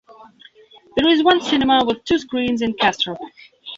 There is one cinema with two screens in Castrop.